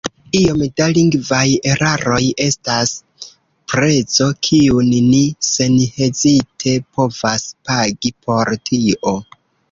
Iom da lingvaj eraroj estas prezo, kiun ni senhezite povas pagi por tio.